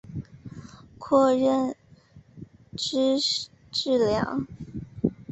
括认知治疗。